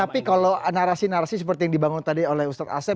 tapi kalau narasi narasi seperti yang dibangun tadi ustaz asyik